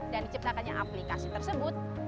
dan diciptakannya aplikasi tersebut